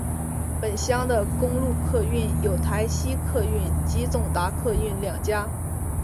本乡的公路客运有台西客运及总达客运两家。